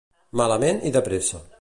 Malament i de pressa.